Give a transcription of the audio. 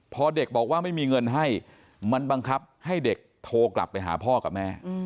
พอเด็กบอกว่าไม่มีเงินให้มันบังคับให้เด็กโทรกลับไปหาพ่อกับแม่